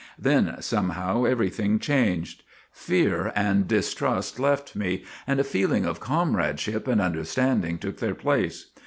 " Then, somehow, everything changed. Fear and distrust left me, and a feeling of comradeship and understanding took their place.